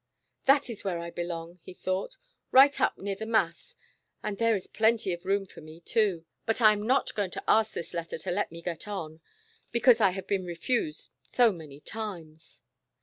''That is where I belong," he thought, "right up near the Mass, and there is plenty of room for me, too. But I am not going to ask this letter to let me get on, because I have been refused so many times.